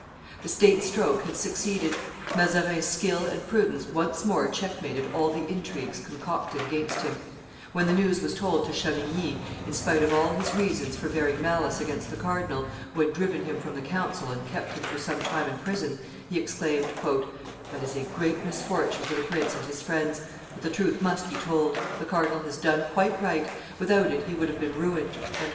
The state stroke had succeeded; Mazarin's skill and prudence once more check mated all the intrigues concocted against him; when the news was told to Chavigny, in spite of all his reasons for bearing malice against the cardinal, who had driven him from the council and kept him for some time in prison, he exclaimed, "That is a great misfortune for the prince and his friends; but the truth must be told: the cardinal has done quite right; without it he would have been ruined."